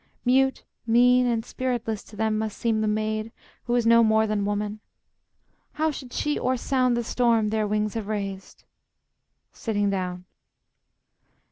Mute, mean, and spiritless to them must seem The maid who is no more than woman. How Should she o'er sound the storm their wings have raised? [Sitting down.